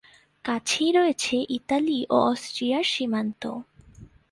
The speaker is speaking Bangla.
কাছেই রয়েছে ইতালি ও অস্ট্রিয়ার সীমান্ত।